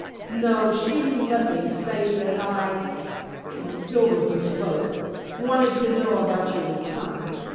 "No! She knew nothing save that I" it was Silver who spoke "wanted to know about your return.